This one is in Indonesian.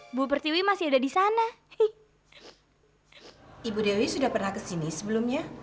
ibu pertiwi masih ada di sana ibu dewi sudah pernah kesini sebelumnya